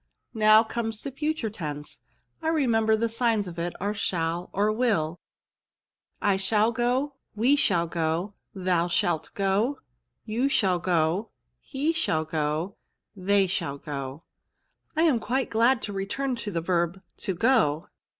" Next comes the future tense ; I remem ber the signs of it are shall or will. VERBS. 237 I shall go, We shall go. Thou shalt go, You shall go. He shall go. They shall go. ," I am quite glad to return to the verb to go."